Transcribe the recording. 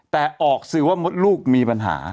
แต่ออกสื่อว่ามดลูกมีปัญหา